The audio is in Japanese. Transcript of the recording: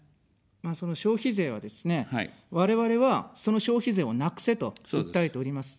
まあ、その消費税はですね、我々は、その消費税をなくせと訴えております。